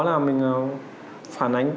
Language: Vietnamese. là mình phản ánh